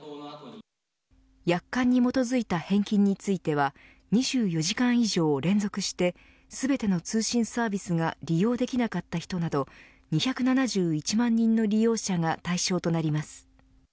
約款に基づいた返金については２４時間以上連続して全ての通信サービスが利用できなかった人など２７１万人の利用者が対象となります。